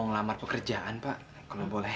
ngelamar pekerjaan pak kalau boleh